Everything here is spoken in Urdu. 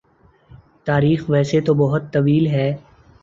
تاریخ ویسے تو بہت طویل ہے